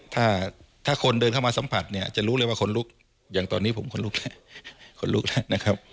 ถ้าคนเดินเข้ามาสัมผัสเนี่ยจะรู้เลยว่าคนลุกอย่างตอนนี้ผมคนลุกนะครับ